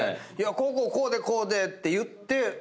こうこうこうでこうでって言って。